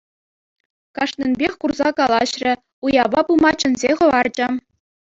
Кашнинпех курса калаҫрӗ, уява пыма чӗнсе хӑварчӗ.